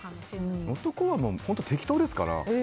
男は本当適当ですから。